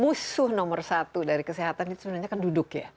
musuh nomor satu dari kesehatan itu sebenarnya kan duduk ya